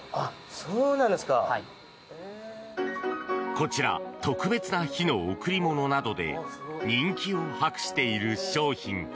こちら特別な日の贈り物などで人気を博している商品。